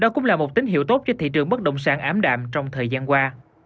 đó cũng là một tín hiệu tốt cho thị trường bất động sản ám đạm trong thời gian qua